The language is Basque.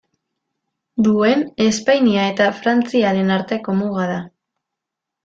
Duen Espainia eta Frantziaren arteko muga da.